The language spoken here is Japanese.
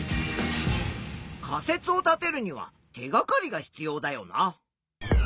仮説を立てるには手がかりが必要だよな。